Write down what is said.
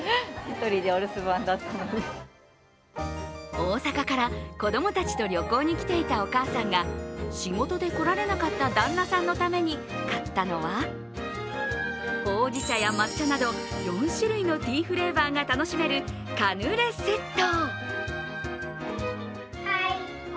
大阪から子供たちと旅行に来ていたお母さんが仕事で来られなかった旦那さんのために買ったのはほうじ茶や抹茶など、４種類のティーフレーバーが楽しめるカヌレセット。